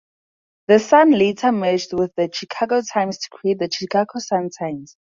The Sun later merged with the "Chicago Times" to create the "Chicago Sun-Times".